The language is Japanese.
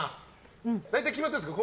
大体決まってるんですか？